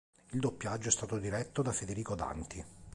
Il doppiaggio è stato diretto da Federico Danti.